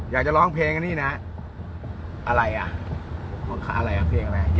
อยากจะร้องเพลงอันนี้นะอะไรอ่ะอะไรอ่ะเพลงอะไร